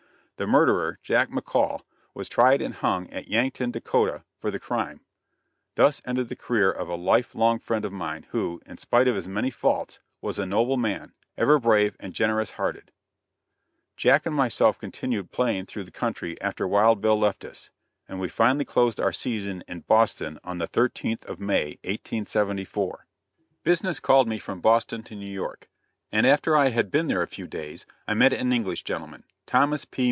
The murderer, Jack McCall, was tried and hung at Yankton, Dakotah, for the crime. Thus ended the career of a life long friend of mine who, in spite of his many faults, was a noble man, ever brave and generous hearted. Jack and myself continued playing through the country after Wild Bill left us, and we finally closed our season in Boston on the 13th of May, 1874. Business called me from Boston to New York, and after I had been there a few days, I met an English gentleman, Thomas P.